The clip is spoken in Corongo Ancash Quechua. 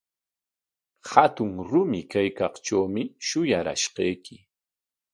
Hatun rumi kaykaqtrawmi shuyarashqayki.